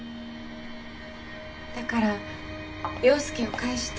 だから陽佑を返して。